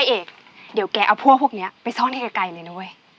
เอกเดี๋ยวแกเอาพวกพวกนี้ไปซ่อนให้ไกลเลยนะเว้ย